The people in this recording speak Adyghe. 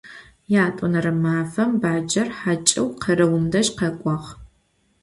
Yat'onere mafem bacer haç'eu khereum dej khek'uağ.